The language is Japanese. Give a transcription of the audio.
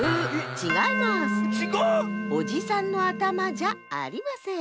ちがう⁉おじさんのあたまじゃありません。